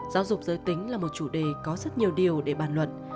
giáo dục giới tính là một chủ đề có rất nhiều điều để bàn luận